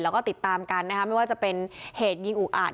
แล้วก็ติดตามกันนะคะไม่ว่าจะเป็นเหตุยิงอุอาจ